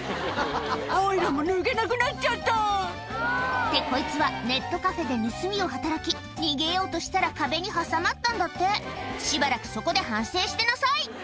「おいらも抜けなくなっちゃった」ってこいつはネットカフェで盗みを働き逃げようとしたら壁に挟まったんだってしばらくそこで反省してなさい！